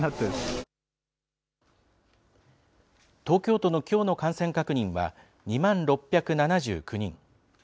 東京都のきょうの感染確認は２万６７９人。